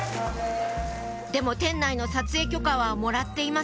でも店内の撮影許可はもらっていません